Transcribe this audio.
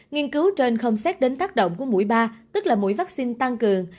nghiên cứu trên không xét đến tác động của mũi ba tức là mũi vaccine tăng cường